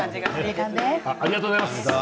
ありがとうございます。